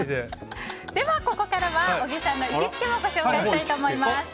では、ここからは小木さんの行きつけをご紹介したいと思います。